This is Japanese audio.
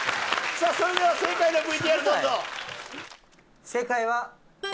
それでは正解のＶＴＲどうぞ。